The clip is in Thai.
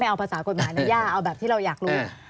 เอาภาษากฎหมายนะย่าเอาแบบที่เราอยากรู้